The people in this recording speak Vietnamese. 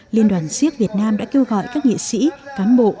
liên đoàn siếc việt nam đã kêu gọi các nghị sĩ cám bộ